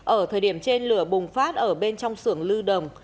ở thời điểm trên lửa bùng phát ở bên trong sưởng lưu đồng